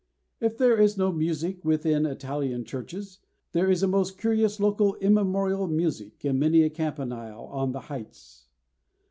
If there is no music within Italian churches, there is a most curious local immemorial music in many a campanile on the heights.